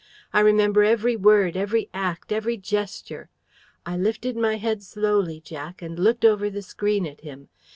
I remember every word, every act, every gesture. I lifted my head slowly, Jack, and looked over the screen at him.